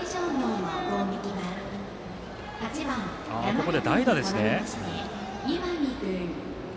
ここで代打です。